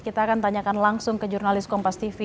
kita akan tanyakan langsung ke jurnalis kompas tv